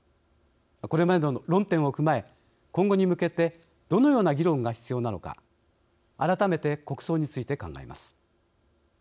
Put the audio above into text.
これまでの論点を踏まえ今後に向けてどのような議論が必要なのか改めて、国葬について考えます。